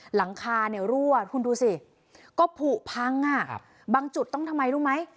หลังคาเนี่ยรั่วคุณดูสิก็ผูกพังบางจุดต้องทำไมรู้ไหม